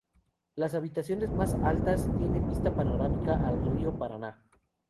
Las habitaciones más altas tiene vista panorámica al río Paraná.